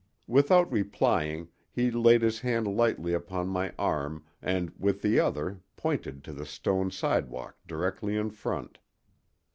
Without replying he laid his hand lightly upon my arm and with the other pointed to the stone sidewalk directly in front.